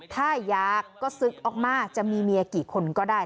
ถ้าอยากก็ศึกออกมาจะมีเมียกี่คนก็ได้